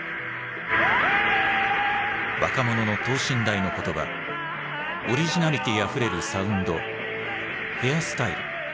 若者の等身大の言葉オリジナリティーあふれるサウンドヘアスタイル。